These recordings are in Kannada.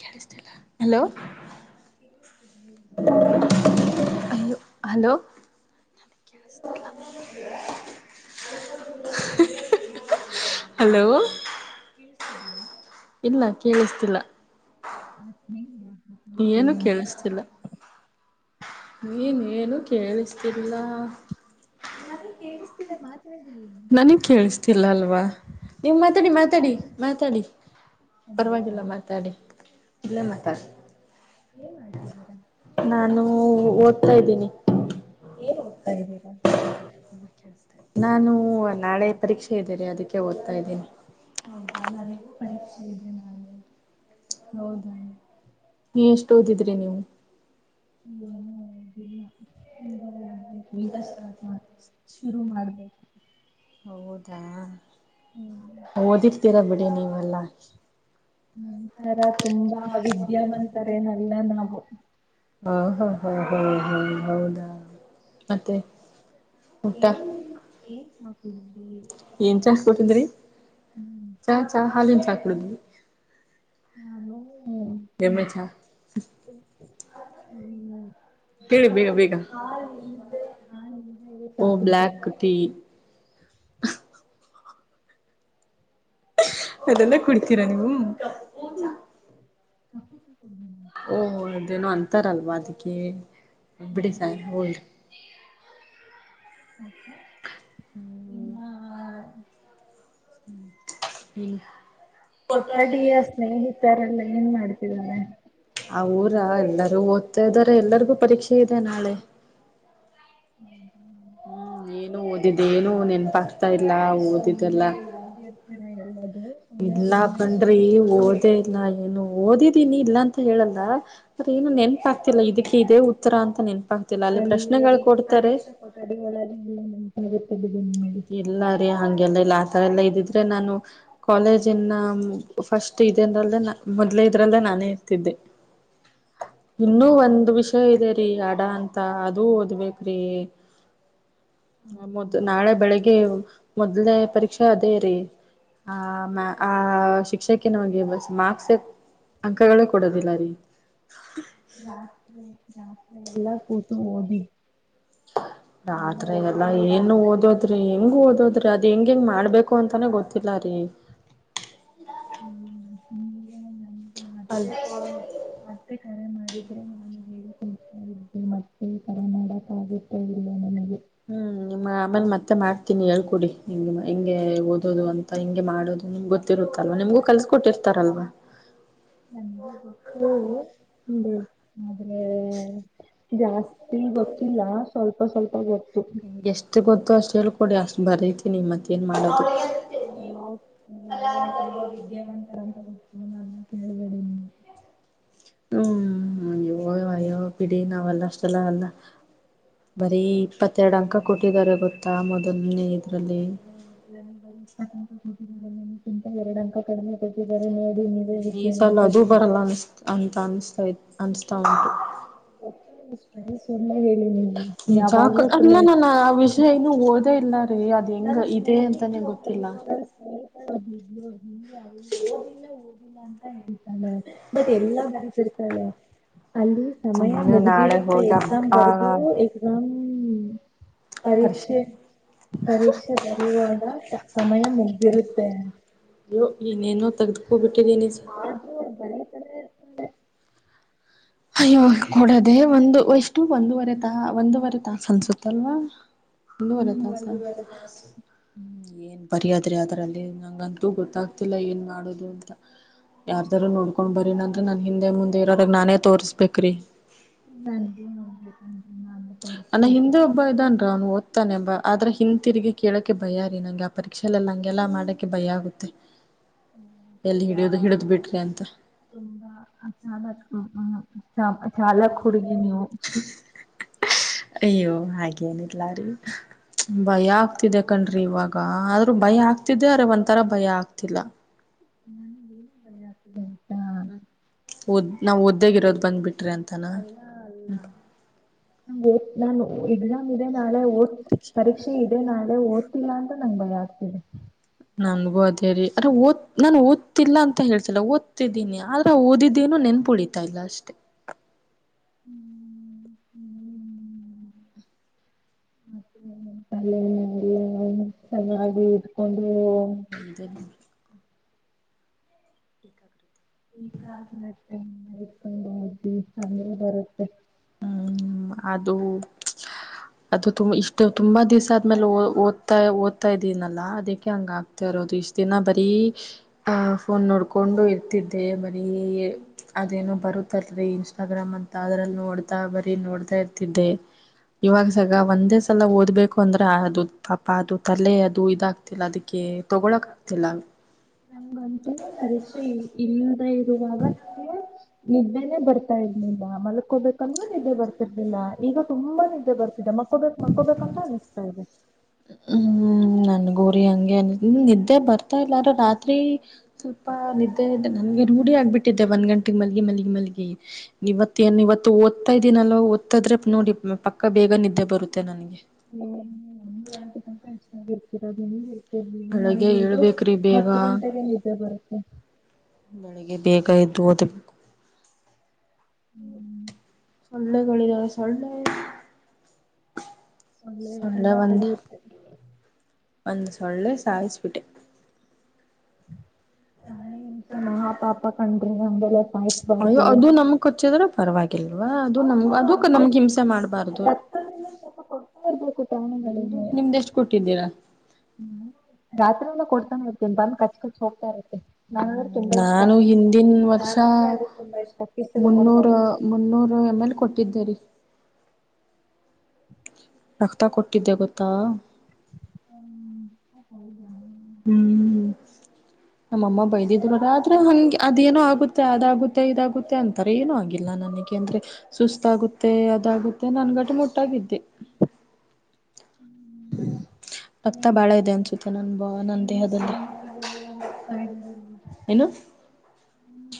ಕೇಳಿಸಿತ್ತಿಲ್ಲ...... ಕೇಳಿಸ್ತಿದೀನಿ- ಹಲೋ ಹಲೋ ಕ ಸ್ [inaudible] ಹಲೋ. ಕೇಳಿಸ್ತಿದ್ದಲ್ಲ. ಇಲ್ಲ ಕೇಳಿಸ್ತಿಲ್ಲ. ಏನು ಗೂತಿಲಾ ಅಂತ. ಕೇಳಿಸ್ತಿಲ್ಲ ನೀನೇನು ಏನೂ ಕೇಳಿಸ್ತಿಲ್ಲ. ಕೇಳಿಸ್ತಿದೆ ಮಾತಾಡಿ ಹ್ಮ್. ನನಗ್ ಕೇಳಿಸತಿಲ್ಲ ಅಲ್ವಾ ನೀವು್ ಮಾತಾಡಿ ಮಾತಾಡಿ ಮಾತಾಡಿ. ಪರವಾಗಿಲ್ಲ ಮಾತಾಡಿ ಇಲ್ಲೇ ಮಾತಾಡ್. ಹ ಆಯತ ಹ್ಮ್ ಓದ್ತಾ ಇದ್ದೀನಿ. ಏನ್ ಓದ್ತಾ ಇದ್ದೀರಾ ನಾನು ನಾಳೆ ಪರೀಕ್ಷೆ ಇದ್ದೀನೆ ಅದಕ್ಕೆ ಓದ್ತಾ ಇದ್ದೀನಿ ಹ್ಮ ನನಗೆ ಪರೀಕ್ಷೆ ಇದೇನಾ. ಹೌದ ನೀ ಎಷ್ಟ ಓದಿದ್ರಿ ನೀವು. ಹ್ಮ್ ಹ್ಮ್ ಹ್ಮ್.. ಶು ಮಾಡ್ಬು [inaudible] ಹೌದಾ ಹ್ಮ್ ಓದಿರ್ತೀರಾ ಬಿಡಿ ನೀವೆಲ್ಲಾ ಒಂ [unintelligible] ತರ ತುಂಬಾ ವಿದ್ಯಾವಂತರೇನಲ್ಲ ನಾವು ಹ ಹ ಹ ಹ ಹ [inaudible] ಹೌದಾ ಮತ್ತೆ ಊಟ [unintelligible] ಏನ್ ಚಾ ನ್ ಕೊಟ್ಟಿದ್ರಿ ಹ್ಮ್ ಚಾ ಚಾ [unintelligible] ಹಾಲಿನ ಚಾಕಡಿ ಹ ಹ್ಮ್ [inaudible] ಎಮಿ [inaudible] ಹ್ಮ್, ಹೇಳಿ ಬೇಗ ಬೇಗ ಹಾಲಿಂದ ಹಾಲಿಂದ [inaudible] ಓ ಸಾಕಿದ್ದೆ ಬ್ಲಯಾಕ್ ತ [unintelligible] [unintelligible] ಅದೆಲ್ಲ ಕುಡತೀರಾ ನೀವು [inaudible] ಹದ ಓಹ ಅದೇನೋ ಅಂತಾರಲ್ವಾ ಅದಕ್ಕೆ ಬಿಡ ಸಾಯ ಹೋರಿ [unintelligible] [inaudible] ಮತ್ತೆ ಹ್ಮ ಹ್ಮ ಹ್ಮ್ ಅಡುಗೆ ಸ್ನೇಹಿತರೆಲ್ಲ ಏನ್ ಮಾಡ್ತಿದ್ದಾರೆ. ಆ ಊರ ಎಲ್ಲರೂ ಓದ್ತಾ ಇದಾರೆ ಎಲ್ಲರಿಗೂ ಪರೀಕ್ಷೆ ಇದೆ ನಾಳೆ. ಹ್ಮ್ ಹ್ಮ್ ಹ್ಮ್ ಏನು ಓದಿದ್ದ ಏನು ನೆನಪಾಗಗ್ತಾ ಇಲ್ಲ ಓದಿದ್ದೆಲ್ಲ. ಹಾ ಎಲ್ಲದು. ಸುಮ್ಮನೆ ಇಲ್ಲ ಸುಮ್ಮನೆ ಕಂಡ್ರಿ ಸುಳ್ಳು ಸುಳ್ಳು ಹೇಳಿ ಓದೇ ಇಲ್ಲ ಏನು ಓದಿದೀನಿ ಇಲ್ಲ ಅಂತ ಹೇಳಲ್ಲ. ಅರ ಏನು ನೆನಪಾಗ್ತಿಲ್ಲ ಇದಕ್ಕೆ ಇದೆ ಉತ್ತರ ಅಂತ ನೆನ್ನಪಾಗ್ತಿಲ್ಲ ಅಲ್ಲಿ ಪ್ರಶ್ನೆಗಳು ಕೊಡ್ತಾರೆ. ಟಡಿ ಒಳ ನ ಗೊತ್ತಿದ್ದಿದ್ದಿ ನಿಡಿ. ಇಲ್ಲ ಹಂಗೆಲ್ಲ ಇಲ್ಲ ಆಥರ ಎಲ್ಲ ಇದ್ದಿದ್ರೆ ನಾನು. ಕಾಲೇಜಿನ ಫಸ್ಟ್ ಇದರಲ್ಲೇ ಮೊದ್ಲೇ ಇದ್ರಲ್ಲೇ ನಾನೇ ಇರ್ತಿದ್ದೆ. [inaudible] ಇನ್ನುೂ ಒಂದ್ ವಿಷಯ ಇದೆರಿ ಅಡ ಅಂತ ಅದು ಓದ್ಬೇಕ್ರಿ. ಮೊದ್ ನಾಳೆ ಬೆಳಿಗ್ಗೆ ಮೊದ್ಲೇ ಪರೀಕ್ಷೆ ಅದೇರಿ ಆ ಆ ಶಿಕ್ಷಕ ನಗೆ ಬ ಮಾರ್ಕ್ಸ್ ಅಂಕಗಳೇ ಕೊಡೋದಿಲ್ಲ ರೀ ನಾತ್ ನಾತ್ ಎಲ್ಲ ಕೂತು ೋದಿ [unintelligible] ಆತ್ರ ಎಲ್ಲಾ ಓದ್ತೀನಿ ಏನು ರಾತ್ರಿ ಎಲ್ಲ ಓದೋದ್ರಿ ಕೂತು ಹೆಂಗ ಓದೋದ್ರಿ ಅದ ಹೆಂಗ ಹೆಂಗ್ ಮಾಡ್ಬೇಕು ಅಂತಾನೆ ಗೊತ್ತಿಲ್ಲ ರೀ ಹ್ಮ ಹ್ಮ್ [inaudible] ಅದ ಕಾಲ್ ಮತ್ತೆ ಕರೆ ಮಾಡಿದ್ರೆ ನಗೆ ಹೇಳ್ಕೊಡ್ತಾ ಇ ಮತ್ತೆ ಕರೆ ಮಾಡಕ ಆಗುತ್ತೆ ಇಲ ನನಗೆ. ಹ್ಮ್ ನಿಮ್ಮ ಆಮೇಲೆ ಮತ್ತೆ ಮಾಡ್ತೀನಿ ಹೇಳ್ಕೊಡಿ ಹೆಂಗ ಹೆಗೆ ಓದೋದು ಅಂತ. ಹಂಗೆ ಮಾಡೋದು ನಿಮ್ ಗೊತ್ತಿರುತ್ತಲ್ವ ನಿಮಗೂ ಕಲ್ಸ ಕೊಟ್ಟಿರ್ತಾರಲ್ವಾ. ಹ ಆದ್ರೆ ಜಾಸ್ತಿ ಗೊತ್ತಿಲ್ಲ ಸ್ವಲ್ಪ ಸ್ವಲ್ಪ ಗೊತ್ತು. ನನಗೆಷ್ಟು ಗೊತ್ತಿರುತ್ತೋ ಅಷ್ಟು ಹೇಳ ಕೊಡಿ ಅಷ್ಟು ಬರೀತಿನಿ ಮತ್ತ ಏನ್ ಮಾಡೋದು. ನೀವು ತುಂಬಾ ವಿದ್ಯಾವಂತರಂತನ್ನ ಹೇಳಳ್ಬೇಡಿ ನೀ. ಹ್ಮ್ ಅಯ್ಯೋ ಅಯೋ ಬಿಡಿ ನಾವೆಲ್ಲಷ್ಟೆಲ್ಲ ಅಲ್ಲ. ಬರೀ ಇಪ್ಪತ್ತೆರಡು ಅಂಕ ಕೊಟ್ಟಿದ್ದಾರೆ ಗೊತ್ತಾ ಮೊದಲನೇ ಇದ್ರಲ್ಲಿ. [unintelligible] ಎರಡು ಅಕ [inaudible] [inaudible] ಕಡಿಮೆ ಕೊಟ್ಟಿದ್ದಾರೆ ನೋಡಿ ನೀವೇ ಈ ವಿದ್ಯ ಸಲ ಅದು ಅಂತರಿ ಈಗ. ಬರಲ್ಲ ಅನ್ಸ್ ಅಂತ ಅನ್ನಸ್ತ ಅನ್ತಾ ಉಂಟು. ಹ ಸುಳ್ಳೇ ಹೇಳಿ ನೀ ನಿಜಾಕ ಯಾವಾಗ್ಲೂ ಅಲ್ಲ ಸುಳ್ಳೇ ನಾನ ಆ ವಿಷಯ ಇನ್ನು ಓದೇ ಇಲ್ಲ ರೀ ಅದ್ ಹೆಂಗ ನನ್ ಇದೆ ಸ್ನೇಹ ಅಂತಾನೆ [inaudible] ಗೊತ್ತಿಲ್ಲ. ಓದಿಲ್ಲ ಹಓದಿಲ್ಲ ಅಂತ ಅತಾನೆ [inaudible] ಬಟ್ ಎಲ್ಲಾ ಬರುತ್ತಾರ್ತಾಳೆ ಅಲ್ಲಿ ಸಮಯ ಸುಮ್ನೆ ನಾಳೆ ಮುಗ್ದಿರುತ್ತೆ ಹೋಗಿ ಎಕ್ಸಾಮ್ ಆ ಬರ್ದು ಎಕ್ಸಾಮ್ ಪರೀಕ್ಷೆ ಪರೀಕ್ಷೆ ಬರೆಯುವಾಗ ಸಮಯ ಮುಗ್ದಿರುತ್ತೆ ಅಯೋ ಇನೇನೋ ತೆಗೆಗ್ದಕೊ ಬಿಟ್ಟಿಿದನ ಸ ಆದ್ರೂ ಒ ಮನೆ ಕಡೆ [inaudible] ಅಯ್ಯೋ ಕೊಡೋದೆೇ ಒಂದು ಎಷ್ಟು ಒಂದೂವರೆ ತಾ ಒಂದೂವರೆ ತಾಸ ಅನ್ಸುತ್ತಲ್ವಾ ಒಂದೂವರೆ ಹ್ಮ್ ತಸ ಒಂದೂವರೆ ತಾಸು ಹ್ಮ್ ಏನ್ ಬರ್ಯಾದ್ರಿ ಅದ್ರಲ್ಲಿ ನಂಗಂತೂ ಗೊತ್ತಾಗ್ತಿಲ್ಲ ಏನ್ ಮಾಡೋದು ಅಂತ ಯಾರ್ದಾರೂ ನೋಡ್ಕೊಂಡ್ ಬರನಂದ್ರ ನಾನ್ ಹಿಂದೆ ಮುಂದೆ ಇರೋಾಗ ನಾನೇ ತೋರ್ಸ್ಬೇಕ್ರಿ ನ ನ ನ ನ [inaudible] ನನ್ನ ಹಿಂದೆ ಹಬ್ಬ ಇದನ್ರ ಅವ ಒ ಾನೆ ಬ ಆದ್ರೆ ಹಿಂತಿರುಗಿ ಕೇಳೋಕ್ಕೆೆ ಭಯ ರೀ ನಂಗೆ ಆ ಪರೀಕ್ಷೆಲ್ಲ ಹಂಗೆಲ್ಲಾ ಮಾಡಕ್ಕೆ ಭಯ ಆಗುತ್ತೆ [inaudible] ಎಲ್ಲಿ ಹಾ ಹಿಡಿಯೋದು ಹಿಡಿದ್ ಬಿಟ್ರಿ ಅಂತ ತುಂಬಾ ಚಾಲಕ್ ಹುಡುಗಿ ನೀವು ಅಯ್ಯೋ ಹಾಗೇನಡ್ಲಾರಿ ಭಯ ಆಗ್ತಿದೆ ಕಣ್ರಿ ಇವಾಗ ಆದ್ರೂ ಭಯ ಆಗ್ತಿದ್ದೆ ಅರೆ ಒಂಥರ ಭಯ ಆಗ್ತಿಲ್ಲ ಹ್ಮ್್ಮಾ [inaudible] ಹ್ಮ್ ಒದ್ ನಾವ್ ಓದೇರದು ಇರೋದು್ ಬಂದ್ಬಿಟ್ರಿ ಅಂತ ಅಲ್ಲ ಅಲ್ಲ ನಮಗೆ ನಾನು ಎಕ್ಸಾಮ್ ಇದೆ ನಾಳೆ ಓದ ಪರೀಕ್ಷೆ ಇದೆ ನಾಳೆ ಓದ್ತಿಲ್ಲಾ ಅಂತ ನಂಗ್ ಭಯ ಆಗ್ತಿದೆ ನನ್ಗೂ ಅದೇ ರರಿ ಅ್ರ ಓದ್ ನಾನನ್ ಓದ್ತಿಿಲ್ಲ ಅಂತ ಹೇಳ್ಸಲ್ಲ ಓದ್ತಿದ್ದೀನಿ ಆದ್ರ ಓದಿದ್ದೇನೋ ನೆನ್ಪುಳಿತತಿ ಆಗ್ತಿಲ್ಲ ಅಷ್ಟೇ ಹ್ಮ ಹ್ಮ ಅ ಚೆನ್ನಾಗಿ ಇಟ್ಕೊಂಡು ಧನ್ ಮಾೆತ್ಕೊಂಡ್ ಹಿ ಅಂದ್ರೆ ಬರುತ್ತೆ [inaudible] ಹ್ಮ್ ಅದು ಅದು ತು ಇಷ್ಟ ತುಂಬಾ ದಿವ್ಸ ಆದ್ಮೇಲೆ ಓದ್ತಾ ಓದ್ತಾ ಇದೀನಲ್ಲಾ ಅದಕ್ಕೆ ಹಂಗ ಆ ರೋದು ಇಷ್ಟ ದಿನ ಬರೀ ಅಹ್ ಫೋನ್ ನೋಡ್ಕೊಂಡು ಇರ್ತಿದ್ದೆ ಬರೀ ಅದೇನೋ ಬರುತ್ತಲ್ರಿ ಇನ್ಸ್ಟಾಗ್ರಾಮ್ ಅಂತ ಅದ್ರಲ್ಲಿ ನೋಡ್ತಾ ಬರೀ ನೋಡ್ತಾ ಇರ್ತಿದ್ದೆ ಇವಾಗ ಸಗ ಒಂದೇ ಸಲ ಓದ್ಬೇಕು ಅಂದ್ರೆ ಅದು ಪಾಪ ಅದು ತಲೆ ಅದು ಇದಾಗ ಆತಿಲ್ಲ ಅದಕ್ಕೆ ತೊಗೊಳಕ ಆಗ್ತಿಲ್ಲ ನಂಗಂತೂ ಪರೀಕ್ಷೆ ಇಲ್ಲದ ಇರುವಾಗ ನಿಿದ್ದೆನೇ ಬರ್ತಾ ಇರ್ಲಿಲ್ಲ ಮಲ್ಕೋಬೇಕಂದ್ರೂ ನಿದ್ದೆ ಬರ್ತ ರ್ಲಿಲ್ಲ ಈಗ ತುಂಬಾ ನಿದ್ದೆ ಬರ್ತಿದೆ ಮಕ್ಕೋ ಬಕ್ ಮಕ್ಕೋಬೇಕಂತ ಅನಿಸ್ತಾ ಇದೆ ಹ್ಮ್ ನನ್ ಗೋರಿ ಹಂಗೆ ಅ ನಿದ್ದೆ ಬರ್ತಾ ಇಲ್ಲಾರ ರಾತ್ರಿ ಸ್ವಲ್ಪ ನಿದ್ದೆ ಇದ್ದ ನನಗೆ ರೂಢಿ ಆಗ್ಬಿಟ್ಟಿದ್ದೆ ಒಂದ್ ಗಂಟೆಗೆ ಮಲಗಿ ಮಲ್ಲಿಗಿ ಮಲಗೆಿ ಇವತ್ ಏನ್ ಇವತ್ತು ಓದ್ತಾ ಇದೀನ ಅಲ್ವಾ ಓದ್ತದ್ರೆ ನೋಡಿ ಪಕ್ಕ ಬೇಗ ನಿದ್ದೆ ಬರುತ್ತೆ ನನ್ಗೆ [unintelligible] [unintelligible] [unintelligible] ಬೆಳಗ್ಗೆ ನಮಗಂಟ ಏಳ್ಬೇಕ್ರಿ ಬೇಗ ಹತ್ತು ಗಂಟೆಗೆ ನಿದ್ದೆ ಬರುತ್ತೆ ಬೆಳಗೆ ಬೇಗ ಎ ದ್ದು ಒದು ಹ್ಮ್ ಸೊಳ್ಳೆಗಳಿದಾವೆ ಸೊಳ್ಳೆ ಸೊಳ್ಳೆ ತುಂಬಾ ಕಡಿಯುತ್ತೆ ಒಂದು ಸೊಳ್ಳೆ ಸಾಯಿಸಿ [unintelligible] ಪ್ರಾಣಿ ಹಿಂಸೆ ಮಹಾ ಪಾಪ ಕಂಡ್ರಿ ಹಂಗೆಲ್ಲ ಸಾಯಿಸ್ಬಾರ್ದು ಕೊಚ್ಚಿದ್ರ ಪರವಾಗಿಲ್ವಾ ಅದು ನ ಅದು ನಮಗೆ ಹಿಂಸೆ ಮಾಡ್ [unintelligible] ರಕ್ತ [unintelligible] [unintelligible] ನಿಮ್ದು ನಿಮ್ದ ಎಷ್ಟ್ ಕೊಟ್ಟಿದ್ದೀರಾ ಹ್ಮ ರಾತ್ರಿಂದ ಕೊಡ್ತಾನ ಇರ್ತೇನಿ ಬಂದ್ ಕಚ್ ಕಚ್ ಹೋಗ್ತಾ ಇರುತ್ತೆ ನನಾಂದ್ರೆ ತುಂಬಾ ಇಷ್ಟ ನಾನು ಹಿಂದಿನ ವರ್ಷ ನಾನಂದ್ರೆ ಅದ್ರ ತುಂಬಾ ಇಷ್ಟ ಫೀಸ್ ಎಲ್ಲ ಮಾಡ ಮುನ್ನೂರು ಮುನ್ನೂರು ಎಮ್ ಎಲ್ ಕೊಟ್ಟಿದ್ದೆರಿ ರಕ್ತ ಕೊಟ್ಟಿದ್ದೆ ಗೊತ್ತಾ [unintelligible] [unintelligible] [unintelligible] ಹ್ಮ್ [unintelligible] ನಮ್ಮಮ್ಮ ಬೈದಿದ್ರು ಆದ್ರೆ ಹಂಗೆ ಅದೇನೋ ಆಗುತ್ತೆ ಅದಾಗುತ್ತೆ ಇದಾಗುತ್ತೆ ಅಂತಾರೆ ಏನೂ ಆಗಿಲ್ಲ ನನಗೆ ಯಾಕೆ ಅಂದ್ರೆ ಸುಸ್ತಾಗುತ್ತೆ ಅದಾಗುತ್ತೆ ನಾನ್ ಗಟ್ ಮುಟ್ಟಾಗಿದ್ದೆ ಹ್ಮ್ [unintelligible] ರಕ್ತ ಬಾಳ ಇದೆ ಅನ್ಸುತ್ತೆ ನನ್ ಬಾ ನನ್ನ ನಿಮ್ ದೇಹದದಲ್ಲಿ ಸ್ನೇಹಿತರೆಲ್ಲ ಹೋಗ್ತಾ ಇದ್ದಾರೆ [unintelligible] ನಿಮ್ ಏನು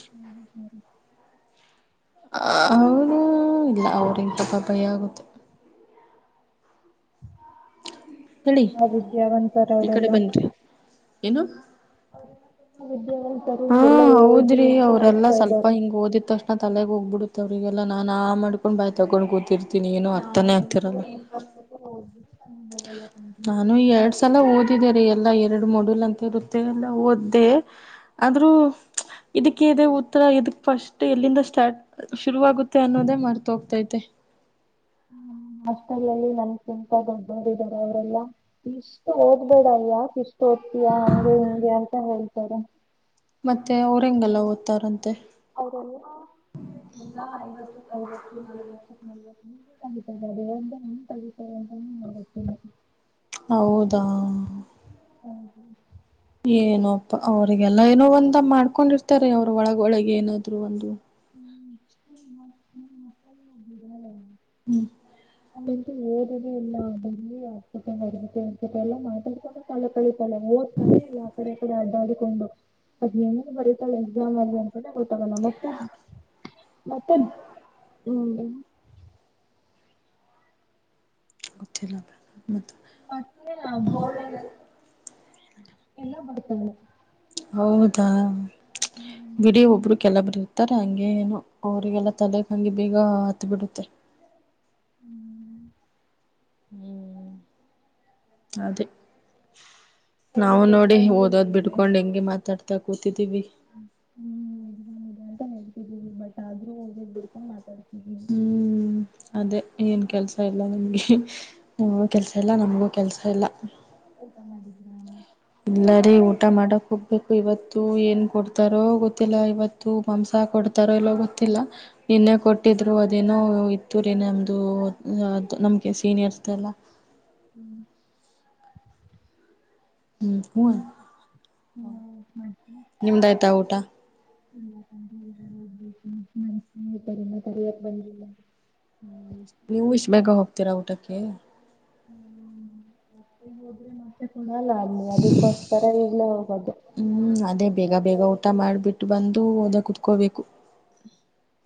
[unintelligible] [unintelligible] ಅವನು ಇಲ್ಲ [unintelligible] ಭಯ ಆಗುತ್ತೆ ಹೇಳಿ ಅದಿಕ್ಕೆ ಏನಂತಾರೆ ಈ ಅವರೆಲ್ಲ ಕಡೆ [unintelligible] [unintelligible] ಬನ್ರಿ ಏನು ಹಾ [unintelligible] ಎಲ್ಲ ಓದಿ ಈಹೋಗ್ತಾ ಇದ್ದಾರೆ [unintelligible] ಓದಿತ್ತು [unintelligible] ನಾ ತಲೆಗ್ ಹೋಗ್ಬಿಡುತ್ತೆ ಅವ್ರರಿಗೆಲ್ಲ ನಾ ಆ ಮಾಡ್ಕೊಂಡ ಬಾಯಿ ತೊಗೊಂಡ್ ಕೂತಿದಿ [unintelligible] ಏನು ಅರ್ಥನೇ ಆಗ್ತಿರಲ್ಲ [unintelligible] [unintelligible] ನಾನು ಈ [unintelligible] [unintelligible] [unintelligible] ಓದಿದಿದ್ದಾರೆ ಎಲ್ಲ ಎರಡು ಮೊರು ಅಂತ ಇರುತ್ತೆ ಎಲ್ಲ ಓದ್ದೆ ಆದ್ರೂ ಇದಕ್ಕೆ ಇದೆ ಉತ್ತರ ಇದಕ್ ಫಸ್ಟ್ ಎಲ್ಲಿಂದ ಸ್ಟಾರ್ಟ ಶುರುವಾಗುತ್ತೆ ಅನ್ನೋದೇ ಮರ್ತ ಹೋಗ್ತೈತೆ ಹಾಸ್ಟೆಲಲ್ಲಿ ನಮಕಿಂತ ದೊಡ್ಡ [unintelligible] [unintelligible] ಅವರೆಲ್ಲಾ ಇಷ್ಟು ಓದ್ಬೇಡ ಯಾಕ್ ಇಷ್ಟ ಓತ್ತಿಯಾ ಅಂಗೂ ಹಿಂಗೆ ಅಂತ ಹೇಳ್ತಾರೆ ಮತ್ತೆ ಅವರೆಂಗೆಲ್ಲ ಓದ್ತಾರಂತೆ ಅವರೆಲ್ಲಾ [unintelligible] [unintelligible] [unintelligible] [unintelligible] [unintelligible] [unintelligible] ಹೌದಾ ಹ್ಮ [unintelligible] ಏನಪ್ಪ ಅವ್ರಿಗೆಲ್ಲ ಏನೋ ಒಂದ ಮಾಡ್ಕೊಂಡಿರ್ತಾರೆ ಅವ್ರ ಒಳಗೊಳಗೆ ಏನಾದ್ರು ಒಂದು [unintelligible] [unintelligible] [unintelligible] ಹ್ಮ್ [unintelligible] [unintelligible] [unintelligible] [unintelligible] ಮಾತಾಡ್ಕೊಂಡ ತಲ್ಲ ಕಳಿತಲ್ಲ ಓದ್ತಾನೆ ಇಲ್ಲ ಆತರೆ ಕೂಡ ಅಡ್ಡಾಡಿಕೊಂಡು ಅದ ನ ಬರ [unintelligible] [unintelligible] [unintelligible] ಕತ್ತೆ ನ ಮ ಪಸ ಅವಬರ್ಡ್ ಎಲ್ಲ ಬತದೆ ಹೌದಾ ಹ್ಮ್ ಬಿಡೀ ಒಬರು ಕೆಲ್ಲ ಬರತ್ತೆ ಇತ್ತಾರೆ ಹಂಗೆ ಏನು ಅವರಿಗೆಲ್ಲ ತಲೆಗೆ ಹಂಗೆ ಬೇಗ ಹತ್ ಬಿಡುತ್ತೆ ಹ್ಮ್ ಅದೇ ನಾವು ನೋಡಿ ಎಕ್ಸಾಮ್ ಓದೋದ್ ಬಿಡ್ಕೊಂಡ್ ಹೆಂಗಗೆ ಮಾತಾಡ್ತಾ ಕೂತಿದೀವಿ ಹ್ಮ್ ಅಂತ ಹೇಳ್ತಿದೀವಿ ಬಟ್ ಆದ್ರೂ ಹ್ಮ್ ಹ್ಮ್ ಅದೇ ಏನ್ ಕೆಲ್ಸ ಇಲ್ಲ ನಿಮ್ಗೆ ನಮಗೂ ಕೆಲ್ಸ ಇಲ್ಲ ನಮಗೂ ಕೆಲ್ಸ ಇಲ್ಲ ಮಾಡಿದ [unintelligible] ಇಲ್ಲಾರಿ ಊಟ ಮಾಡಕ್ ಹೋಗ್ಬೇಕು ಇವತ್ತು ಏನ್ ಕೊಡ್ತಾರೋ ಗೊತ್ತಿಲ್ಲ ಇವತ್ತು ತ ಮಾಂಸ ಕೊಡ್ತಾರ ಎಲ್ಲೋ ಗೊತ್ತಿಲ್ಲ ನಿನ್ನೆ ಕೊಟ್ಟಿದ್ರು ಅದೇನೋ ಇತ್ತೂರೆ ನಮ್ಮದು ಅದು ನಮಗೆ ಸೀನಿಯರ್ದೆಲ್ಲ ಹ್ಮ್ ಹ್ಮ್ ಹೂ ಹ್ಮ್ ನಿಮ್ದ ಆಾಯ್ತಾ ಊಟ ಹ್ಮ್ಮ್ಮ್ಮ ಹ್ಮತರಿ ಸರಿಯಕ್ ಬಂದಿಲ್ಲ ಹ್ಮ ನೀವು ಇಷ್ಟು ಬೇಗ ಹೋಗ್ತೀರಾ ಊಟಕ್ಕೆ ಹ ಮತ್ತೆ ಕೊಡಲ್ಲ ಆಲಿ ಅದಕ್ಕೋಸ್ಕರ ಇರ್ಲೇ ಹೋಗೋದು ಹ್ಮ್ ಅದೇ ಬೇಗ ಬೇಗ ಊಟ ಮಾಡ್ಬಿಟ್ಟು ಬಂದು ಹಓದ ಕುತ್ಕೋಬೇಕು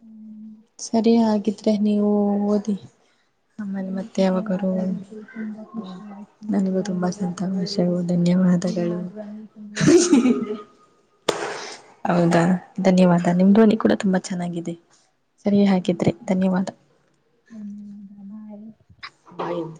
ಹ್ಮ್ ಸರಿ ಹಾಗಗಿದ್ರೆ ನೀವು ಓದಿ ಆಮೇಲೆ ನಿಮ್ ಮತ್ತೆ ಜೊತೆ ಯಾವಾಗರು ಮಾತಾಡಿದ್ದು ತುಂಬಾ ಖುಷಿ ಆಯ್ತು ನನಗೂ ತುಂಬಾ ಸಂತ ಧನ್ಯವಾದಗಳು. ಷವು ನಿಮ್ಮ ಧನ್ಯವಾದಗಳು ಧ್ವನಿ ತುಂಬಾ ಚೆನ್ನಾಗಿದೆ. ಹೌದಾ ಧನ್ಯವಾದ ನಿಮ ್ನಿ ಕೂಡ ತುಂಬಾ ಚೆನ್ನಾಗಿದೆ ಸರಿ ಹಾಗಿದ್ರೆ ಧನ್ಯವಾದ ಹ್ಮ್ ಅ ಆಯತ್ು